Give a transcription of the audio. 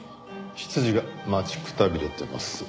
執事が待ちくたびれてます。